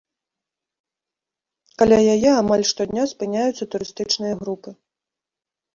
Каля яе амаль штодня спыняюцца турыстычныя групы.